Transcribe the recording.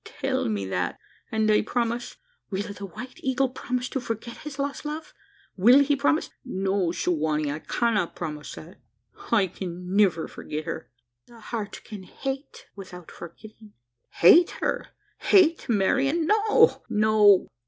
"Tell me that, and I promise " "Will the White Eagle promise to forget his lost love? Will he promise " "No, Su wa nee; I cannot promise that: I can niver forget her." "The heart can hate without forgetting." "Hate her? hate Marian? No! no!"